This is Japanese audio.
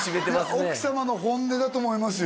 奥様の本音だと思いますよ